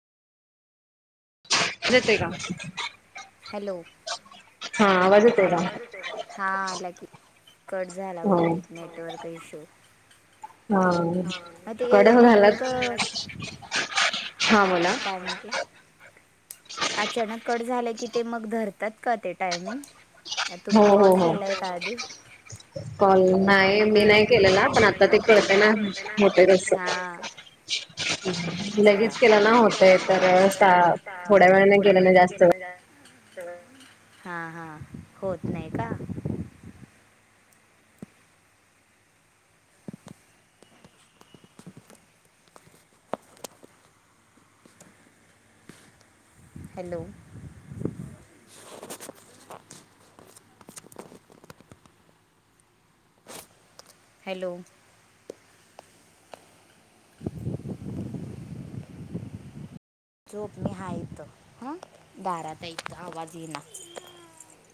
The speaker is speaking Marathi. येतोय का आवाज? हॅलो हा आला की, कट झाला बहुतेक नेटवर्क इशु अ ते नेटवर्क काय म्हणाला? अचानक कट झाला की, ते मग धरतात का ते टायमिंग? हा तुम्ही कॉल केलाय का आधी? कॉल नाही, मी नाही केलेला, पण आता ते कळते ना होतय तस. लगेच केलं ना होतंय, तर असा थोड्या वेळाने केला ना जास्त वे हा हा, होत नाही का? हॅलो हॅलो झोप मी हाय इत हं दारात हाय, इथं आवाज येईना.